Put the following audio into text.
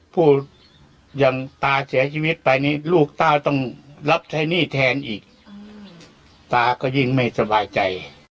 พูดอย่างตาเสียชีวิตไปนี่ลูกตาต้องรับใช้หนี้แทนอีกตาก็ยิ่งไม่สบายใจ